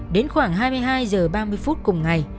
đến khoảng hai mươi hai h ba mươi phút cùng ngày